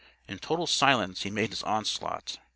In total silence he made his onslaught.